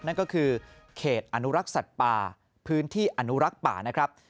นั่นก็คือเขตอนุรักษ์สัตว์ป่าพื้นที่อนุรักษ์ป่านะครับ